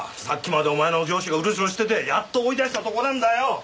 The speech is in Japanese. さっきまでお前の上司がうろちょろしててやっと追い出したとこなんだよ！